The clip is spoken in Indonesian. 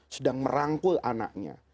yang merangkul anaknya